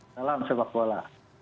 salam sepak bola